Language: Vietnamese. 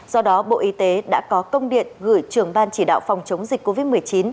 do đó bộ y tế đã có công điện gửi trưởng ban chỉ đạo phòng chống dịch covid một mươi chín